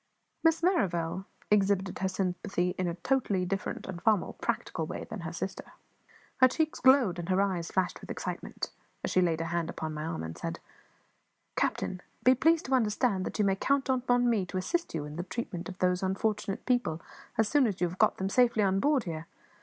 Miss Merrivale exhibited her sympathy in a totally different and far more practical way than her sister. Her cheeks glowed, and her eyes flashed with excitement as she laid her hand upon my arm, and said "Captain, be pleased to understand that you may count upon me to assist you in the treatment of those unfortunate people, as soon as you have got them safely on board here.